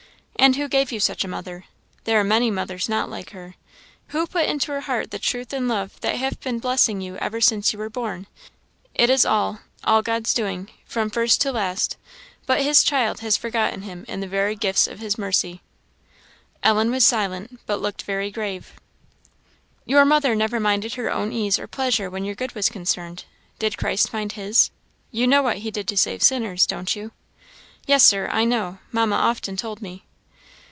And who gave you such a mother? There are many mothers not like her; who put into her heart the truth and love that have been blessing you ever since you were born? It is all all God's doing, from first to last: but his child has forgotten him in the very gifts of his mercy." Ellen was silent, but looked very grave. "Your mother never minded her own ease or pleasure when your good was concerned. Did Christ mind his? You know what he did to save sinners, don't you?" "Yes, Sir, I know; Mamma often told me."